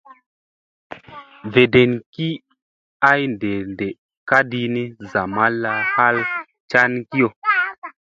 Veɗengi ay ɗeɗee kaɗi ni, zamalla hal a can kiyo.